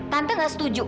tante nggak setuju